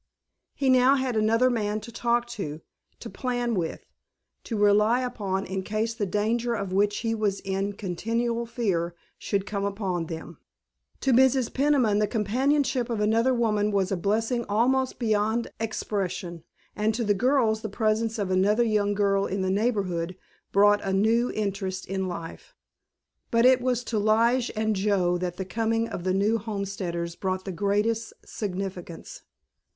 He now had another man to talk to, to plan with, to rely upon in case the danger of which he was in continual fear should come upon them. To Mrs. Peniman the companionship of another woman was a blessing almost beyond expression, and to the girls the presence of another young girl in the neighborhood brought a new interest in life. But it was to Lige and Joe that the coming of the new homesteaders brought the greatest significance.